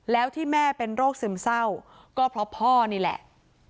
แล้วที่แม่เป็นโรคซึมเศร้าก็เพราะพ่อนี่แหละ